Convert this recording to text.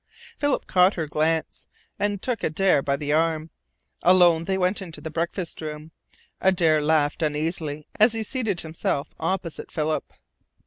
Philip caught her glance, and took Adare by the arm. Alone they went into the breakfast room. Adare laughed uneasily as he seated himself opposite Philip.